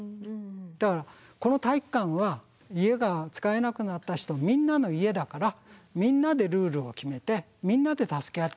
だからこの体育館は家が使えなくなった人みんなの家だからみんなでルールを決めてみんなで助け合っていきましょう。